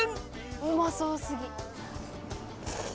うまそう過ぎ。